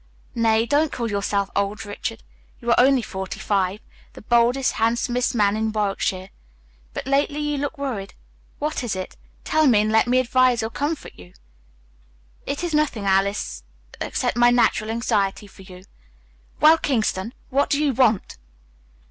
"Nay, don't call yourself old, Richard; you are only forty five, the boldest, handsomest man in Warwickshire. But lately you look worried; what is it? Tell me, and let me advise or comfort you." "It is nothing, Alice, except my natural anxiety for you Well, Kingston, what do you want?"